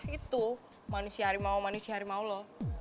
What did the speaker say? itu manusia harimau manusia harimau lo